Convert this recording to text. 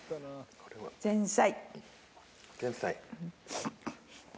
前菜。